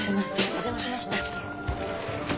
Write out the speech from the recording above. お邪魔しました。